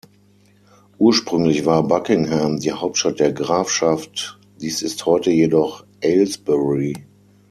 Ursprünglich war Buckingham die Hauptstadt der Grafschaft; dies ist heute jedoch Aylesbury.